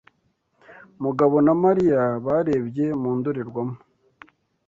Mugabo na Mariya barebye mu ndorerwamo.